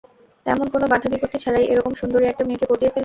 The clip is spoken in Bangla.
তেমন কোনও বাঁধা বিপত্তি ছাড়াই এরকম সুন্দরী একটা মেয়েকে পটিয়ে ফেলল!